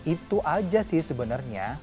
itu aja sih sebenarnya